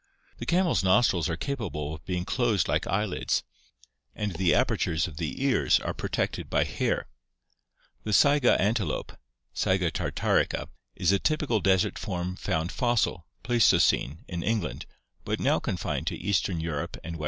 The cam el's nostrils are capa ble of being closed like eyelids, and the apertures of the ears are protected by hair. The saiga antelope (Saiga tartarica, Fig. 97) is a typical desert form found fossil (Pleistocene) in Eng land but now confined to eastern Europe and Fie.